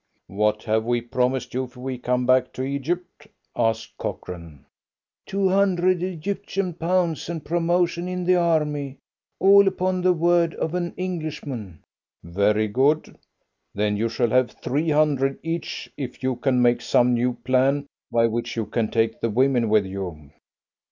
"What have we promised you if we come back to Egypt?" asked Cochrane. "Two hundred Egyptian pounds and promotion in the army all upon the word of an Englishman." "Very good. Then you shall have three hundred each if you can make some new plan by which you can take the women with you."